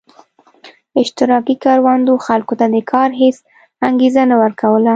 اشتراکي کروندو خلکو ته د کار هېڅ انګېزه نه ورکوله.